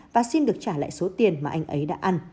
và xin được trả lại số tiền mà anh ấy đã ăn